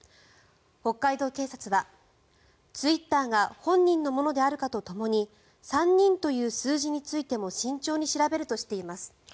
北海道警察は、ツイッターが本人のものであるかとともに３人という数字についても慎重に調べるとしています。